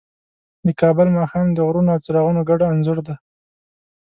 د کابل ماښام د غرونو او څراغونو ګډ انځور دی.